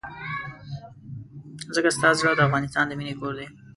ځکه ستا زړه د افغانستان د مينې کور دی.